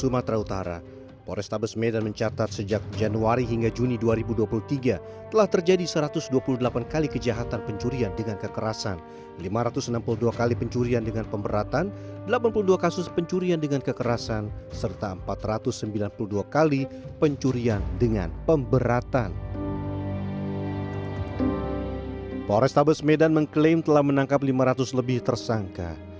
poha restables medan mengklaim telah menangkap lima ratus lebih tersangka